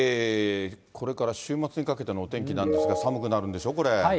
これから週末にかけてのお天気なんですが、寒くなるんでしょ、はい。